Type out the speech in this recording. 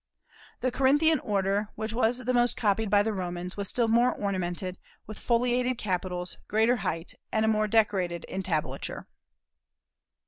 The Corinthian order, which was the most copied by the Romans, was still more ornamented, with foliated capitals, greater height, and a more decorated entablature.